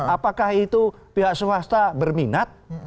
apakah itu pihak swasta berminat